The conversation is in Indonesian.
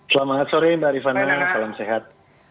selamat sore mbak rifana salam sehat